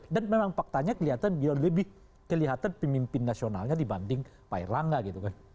dan memang faktanya kelihatan dia lebih kelihatan pemimpin nasionalnya dibanding pak erlangga gitu